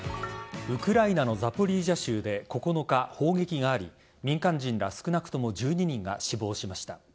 ウクライナのザポリージャ州で９日、砲撃があり民間人ら少なくとも１２人が死亡しました。